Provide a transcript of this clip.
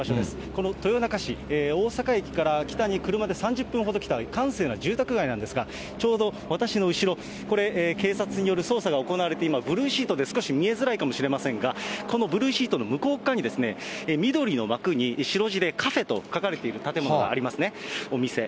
この豊中市、大阪駅から北に車で３０分ほど来た閑静な住宅街なんですが、ちょうど私の後ろ、これ、警察による捜査が行われて、今、ブルーシートで少し見えづらいかもしれませんが、このブルーシートの向こう側に、緑の枠に白字でカフェと書かれている建物がありますね、お店。